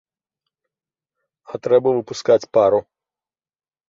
А трэба выпускаць пару.